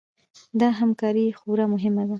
دا همکاري خورا مهمه وه.